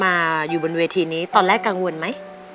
มาอยู่บนเวทีนี้ตอนแรกกังวลไหม